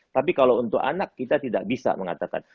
tapi kalau untuk anak kita tidak bisa mengatakan